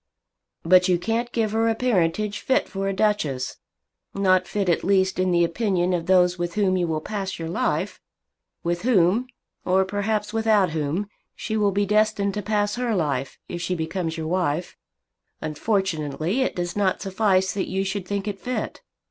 "But you can't give her a parentage fit for a Duchess; not fit at least in the opinion of those with whom you will pass your life, with whom, or perhaps without whom, she will be destined to pass her life, if she becomes your wife! Unfortunately it does not suffice that you should think it fit.